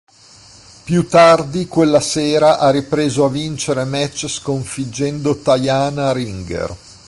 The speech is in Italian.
Più tardi quella sera ha ripreso a vincere match sconfiggendo Tiana Ringer.